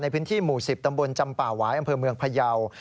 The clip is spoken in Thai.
ในพื้นที่หมู่๑๐ตำบลจำป่าหวายอำเภอเมืองพยาว